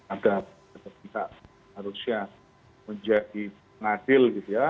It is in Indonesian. agar kita harusnya menjadi penghasil